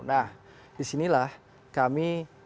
nah disinilah kami